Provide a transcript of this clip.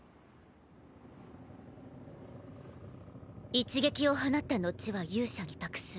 一撃を放った後は勇者に託す。